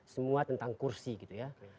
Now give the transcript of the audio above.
semua tentang kursi gitu ya